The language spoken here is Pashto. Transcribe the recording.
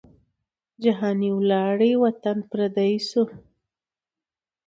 جهاني ولاړې وطن پردی سو